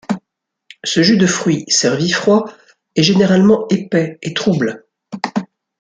Ce jus de fruits, servi froid, est généralement épais et trouble.